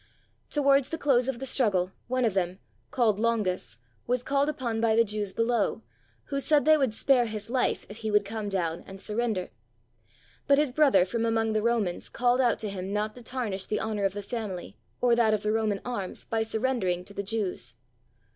Towards the close of the struggle one of them, called Longus, was called upon by the Jews below, who said they would spare his Hfe if he would come down and sur render. But his brother from among the Romans called out to him not to tarnish the honor of the family or that of the Roman arms by surrendering to the Jews.